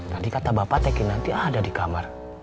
tadi kata bapak kinanti ada di kamar